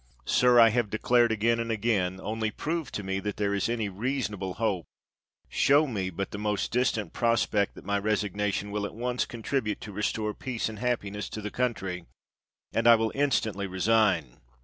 Sir, I have declared, again and again, only prove to me that there is any rea sonable hope — show me but the most distant prospect that my resignation will at all con tribute to restore peace and happiness to the country, and I will instantly resign.